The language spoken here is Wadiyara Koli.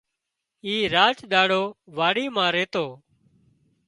اي راچ ۮاڙو واڙي مان ريتو